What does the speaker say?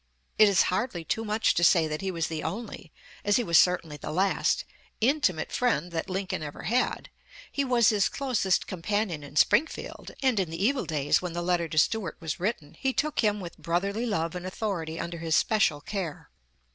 It is hardly too much to say that he was the only as he was certainly the last intimate friend that Lincoln ever had. He was his closest companion in Springfield, and in the evil days when the letter to Stuart was written he took him with brotherly love and authority under his special care.